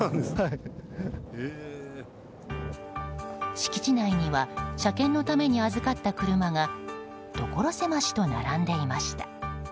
敷地内には車検のために預かった車が所狭しと並んでいました。